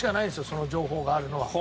その情報があるのは。